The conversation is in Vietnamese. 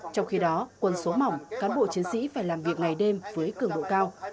trong khi đó quân số mỏng cán bộ chiến sĩ phải làm việc ngày đêm với cường độ cao